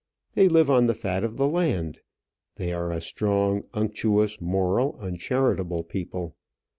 They live on the fat of the land. They are a strong, unctuous, moral, uncharitable people.